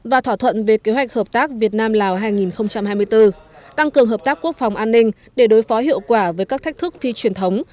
và thỏa thuận về kế hoạch hợp tác việt nam lào hai nghìn hai mươi bốn tăng cường hợp tác quốc phòng an ninh để đối phó hiệu quả với các thách thức phi truyền thống